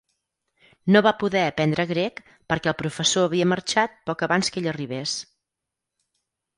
No va poder aprendre grec, perquè el professor havia marxat, poc abans que ell arribés.